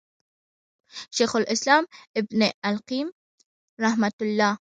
شيخ الإسلام ابن القيّم رحمه الله